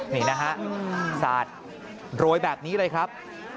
นี่นะฮะสาดโรยแบบนี้เลยครับ